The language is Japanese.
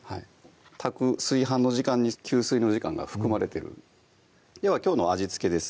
炊く炊飯の時間に吸水の時間が含まれてるではきょうの味付けです